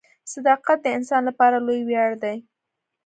• صداقت د انسان لپاره لوی ویاړ دی.